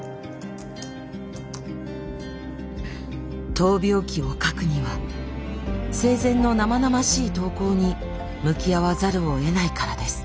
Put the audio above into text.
闘病記を書くには生前の生々しい投稿に向き合わざるをえないからです。